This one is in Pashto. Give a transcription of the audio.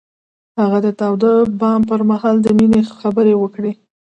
هغه د تاوده بام پر مهال د مینې خبرې وکړې.